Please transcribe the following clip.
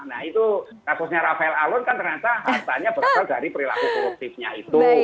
nah itu kasusnya rafael alun kan ternyata hartanya berasal dari perilaku koruptifnya itu